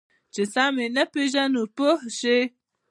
چې سم یې نه پېژنو پوه شوې!.